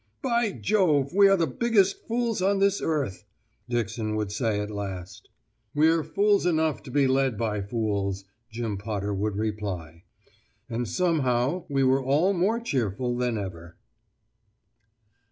"By Jove, we are the biggest fools on this earth!" Dixon would say at last. "We're fools enough to be led by fools," Jim Potter would reply. And somehow we were all more cheerful than ever!